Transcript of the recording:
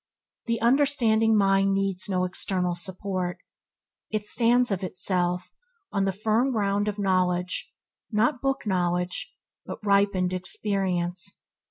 The understanding mind needs no external support. It stands of itself on the firm ground of knowledge; not book knowledge, but ripened experience.